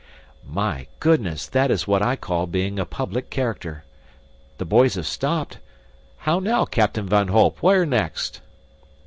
"My goodness! That is what I call being a public character. The boys have stopped. How now, Captain van Holp, where next?"